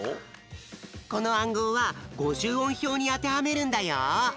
このあんごうは５０おんひょうにあてはめるんだよ。